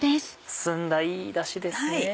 澄んだいいダシですね。